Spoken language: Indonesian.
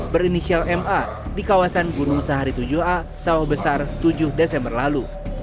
berinisial ma di kawasan gunung sahari tujuh a sawah besar tujuh desember lalu